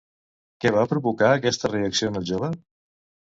Què va provocar aquesta reacció en el jove?